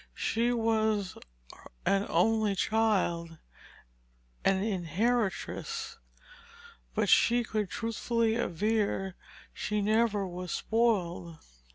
she was an only child, "an inheritrice"; but she could truthfully aver she never was spoiled.